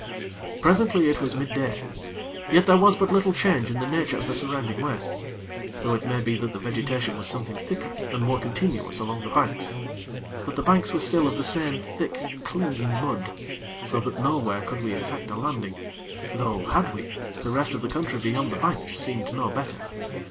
Presently it was midday; yet was there but little change in the nature of the surrounding wastes; though it may be that the vegetation was something thicker, and more continuous along the banks. But the banks were still of the same thick, clinging mud; so that nowhere could we effect a landing; though, had we, the rest of the country beyond the banks seemed no better.